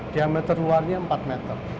diameter luarnya empat meter